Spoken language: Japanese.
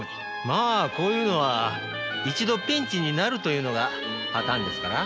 まあこういうのは一度ピンチになるというのがパターンですから。